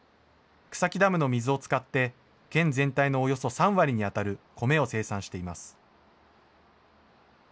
草木ダムの水を使って、県全体のおよそ３割に当たる米を生産しています。